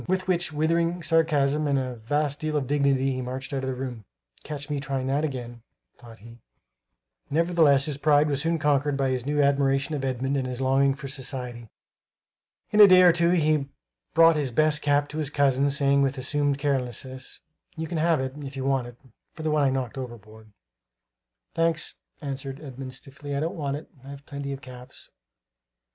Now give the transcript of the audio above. With which withering sarcasm and a vast deal of dignity he marched out of the room. "Catch me trying that again," thought he. Nevertheless his pride was soon conquered by his new admiration of Edmund and his longing for society. In a day or two he brought his best cap to his cousin, saying with assumed carelessness: "You can have it, if you want it, for the one I knocked overboard." "Thanks," answered Edmund stiffly; "I don't want it; I've plenty of caps."